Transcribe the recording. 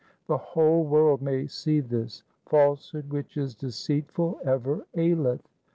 The whole world may see this. Falsehood which is deceitful ever aileth.